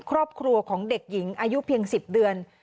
ครอบครัวของเด็กหญิงอายุเพียง๑๐เดือน